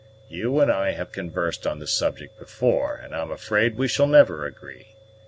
You and I have conversed on the subject before and I'm afraid we shall never agree.